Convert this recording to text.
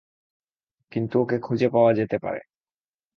কিন্তু ওকে খুঁজে পাওয়া যেতে পারে।